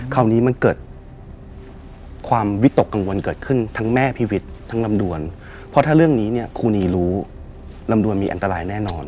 คราวนี้มันเกิดความวิตกกังวลเกิดขึ้นทั้งแม่พีวิทย์ทั้งลำดวนเพราะถ้าเรื่องนี้เนี่ยครูนีรู้ลำดวนมีอันตรายแน่นอน